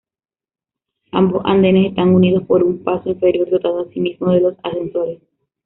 Ambos andenes están unidos por un paso inferior, dotado asimismo de dos ascensores.